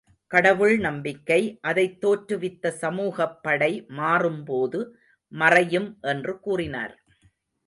கடவுள் நம்பிக்கை, அதைத் தோற்றுவித்த சமூகப்படை மாறும்போது மறையும் என்று கூறினார்.